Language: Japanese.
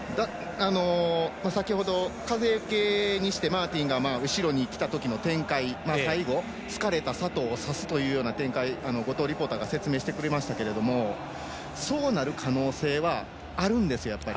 先ほど、風よけにしてマーティンが後ろに来たときの展開最後疲れた佐藤を差すという展開、後藤リポーターが説明してくれたんですけどそうなる可能性はあるんですよ。